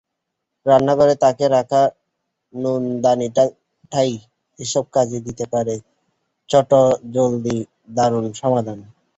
রান্নাঘরের তাকে রাখা নুনদানিটাই এসব কাজে দিতে পারে চটজলদি দারুণ সমাধান।